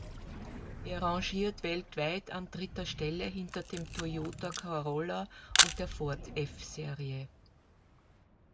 Er rangiert weltweit an dritter Stelle hinter dem Toyota Corolla und der Ford F-Serie.